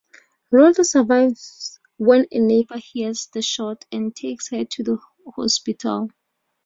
Rhoda survives when a neighbor hears the shot and takes her to the hospital.